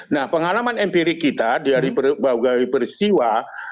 nah pengalaman empirik kita dari berbagai peristiwa